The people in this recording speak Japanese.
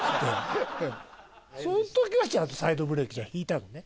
その時はちゃんとサイドブレーキ引いたのね？